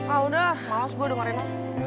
ah udah males gue dengerin